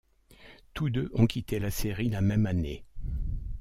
Tous deux ont quitté la série la même année.